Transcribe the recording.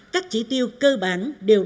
các chỉ tiêu cơ bản đều